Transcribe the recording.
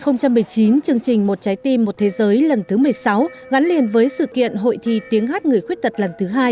năm hai nghìn một mươi chín chương trình một trái tim một thế giới lần thứ một mươi sáu gắn liền với sự kiện hội thi tiếng hát người khuyết tật lần thứ hai